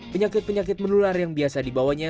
penyakit penyakit menular yang biasa dibawanya